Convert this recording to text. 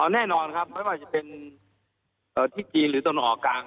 แน่นอนครับไม่ว่าจะเป็นที่จีนหรือตอนออกกลาง